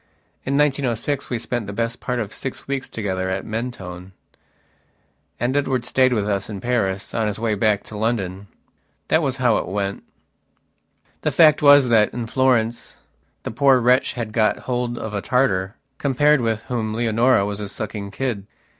In 1906 we spent the best part of six weeks together at Mentone, and Edward stayed with us in Paris on his way back to London. That was how it went. The fact was that in Florence the poor wretch had got hold of a Tartar, compared with whom Leonora was a sucking kid.